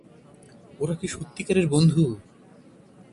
ওরা কি সত্যিকারের বন্ধু?